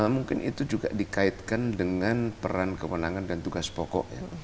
mungkin itu juga dikaitkan dengan peran kewenangan dan tugas pokok ya